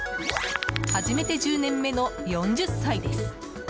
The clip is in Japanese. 始めて１０年目の４０歳です。